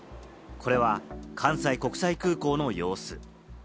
これは関西国際空港の様子。